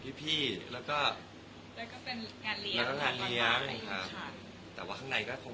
แล้วไปมาถึงที่เธอตอนนั้นเลยเราวางแก่งันยังไงบ้าง